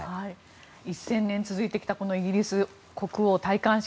１０００年続いてきたこのイギリス国王戴冠式